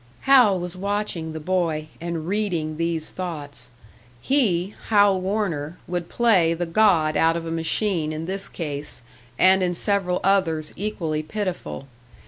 Hal was watching the boy, and reading these thoughts. He, Hal Warner, would play the god out of a machine in this case, and in several others equally pitiful.